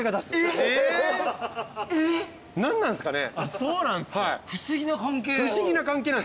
何なんすかね。